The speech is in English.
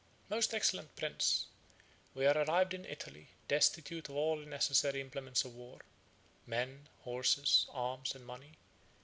"Most excellent prince, we are arrived in Italy, destitute of all the necessary implements of war, men, horses, arms, and money.